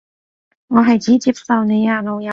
我係指接受你啊老友